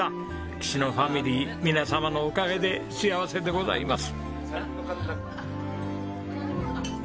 岸野ファミリー皆様のおかげで幸せでございます。